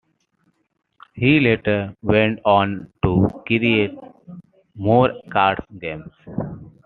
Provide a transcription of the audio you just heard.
He later went on to create more card games.